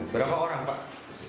berapa orang pak